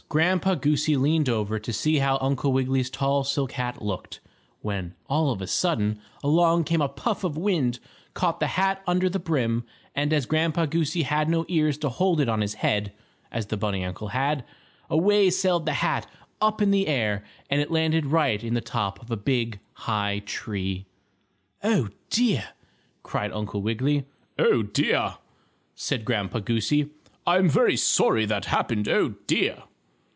Grandpa Goosey leaned over to see how Uncle Wiggily's tall, silk hat looked, when, all of a sudden, along came a puff of wind, caught the hat under the brim, and as Grandpa Goosey had no ears to hold it on his head (as the bunny uncle had) away sailed the hat up in the air, and it landed right in the top of a big, high tree. "Oh, dear!" cried Uncle Wiggily. "Oh, dear!" said Grandpa Goosey. "I'm very sorry that happened. Oh, dear!"